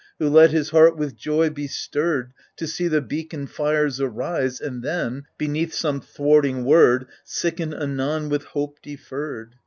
Who let his heart with joy be stirred, To see the beacon fires arise. And then, beneath some thwarting word, Sicken anon with hope deferred.